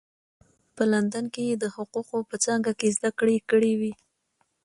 په لندن کې یې د حقوقو په څانګه کې زده کړې کړې وې.